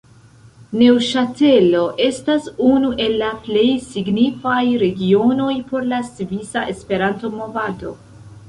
Neŭŝatelo estas unu el la plej signifaj regionoj por la svisa Esperanto-movado.